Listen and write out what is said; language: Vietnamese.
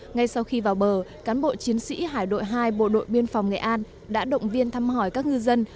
ngay sau khi vào bờ cán bộ chiến sĩ hải đội hai bộ đội biên phòng nghệ an đã động viên thăm hỏi các ngư dân